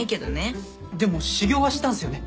でも修行はしたんすよね？